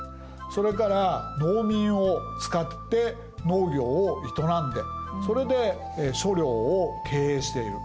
それから農民を使って農業を営んでそれで所領を経営している。